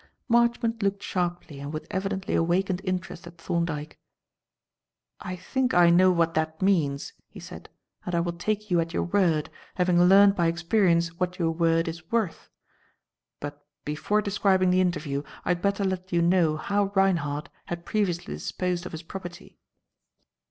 Marchmont looked sharply and with evidently awakened interest at Thorndyke. "I think I know what that means," he said, "and I will take you at your word, having learned by experience what your word is worth. But before describing the interview, I had better let you know how Reinhardt had previously disposed of his property.